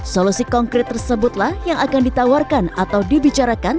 solusi konkret tersebutlah yang akan ditawarkan atau dibicarakan